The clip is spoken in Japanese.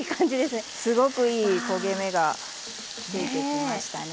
すごくいい焦げ目がついてきましたね。